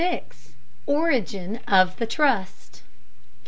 ORIGIN OF THE TRUST.